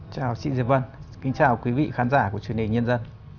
chào chị diệp vân kính chào quý vị khán giả của truyền hình nhân dân